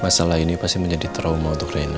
masalah ini pasti menjadi trauma untuk rela